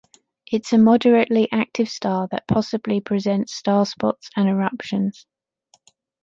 It’s a moderately active star that possibly presents star spots and eruptions.